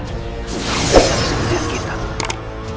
aku bisa melihat kita